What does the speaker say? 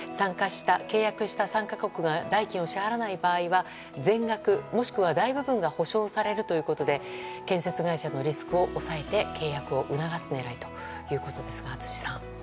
契約した参加国が代金を支払わない場合は全額、もしくは大部分が補償されるということで建設会社のリスクを抑えて契約を促す狙いですが、辻さん。